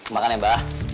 makan ya bah